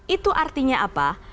itu artinya apa